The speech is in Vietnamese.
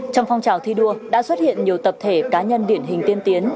trong phong trào thi đua đã xuất hiện nhiều tập thể cá nhân điển hình tiên tiến